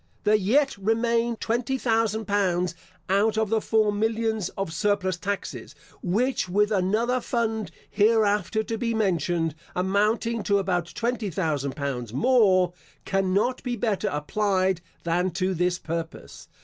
There yet remain twenty thousand pounds out of the four millions of surplus taxes, which with another fund hereafter to be mentioned, amounting to about twenty thousand pounds more, cannot be better applied than to this purpose.